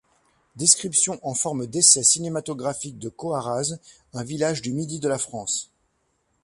Description en forme d'essai cinématographique de Coaraze, un village du Midi de la France.